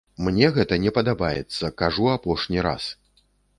Мне гэта не падабаецца, кажу апошні раз.